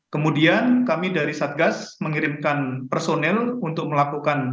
kemudian kami dari satgas mengirimkan personel untuk melakukan